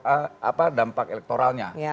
apa dampak elektoralnya